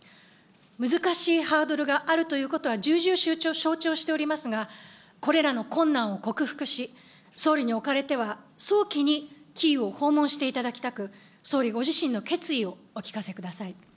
難しいハードルがあるということは重々承知をしておりますが、これらの困難を克服し、総理におかれては早期にキーウを訪問していただきたく、総理ご自身の決意をお聞かせください。